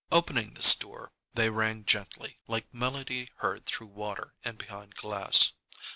Opening this door, they rang gently, like melody heard through water and behind glass.